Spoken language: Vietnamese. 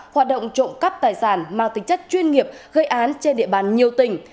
hoạt động trộm cắp tài sản mang tính chất chuyên nghiệp gây án trên địa bàn nhiều tỉnh